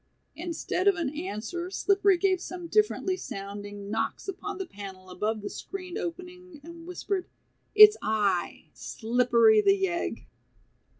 Instead of an answer Slippery gave some differently sounding knocks upon the panel above the screened opening and whispered, "It's I, Slippery, the yegg."